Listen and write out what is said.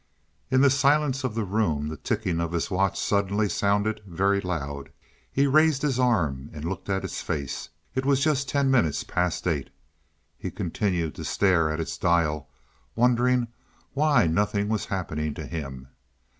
In the silence of the room, the ticking of his watch suddenly sounded very loud. He raised his arm and looked at its face; it was just ten minutes past eight. He continued to stare at its dial, wondering why nothing was happening to him.